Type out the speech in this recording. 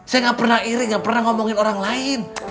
saya gak pernah iri gak pernah ngomongin orang lain